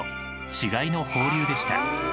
稚貝の放流でした。